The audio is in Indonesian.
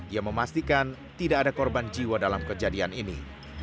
ia memastikan tidak ada korban jiwa dalam kejadian ini